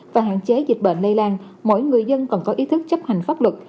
và hạn chế dịch bệnh lây lan mỗi người dân còn có ý thức chấp hành pháp luật